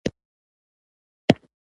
انسان کولی شي خپل توازن وساتي.